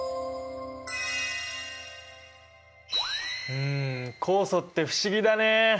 うん酵素って不思議だね！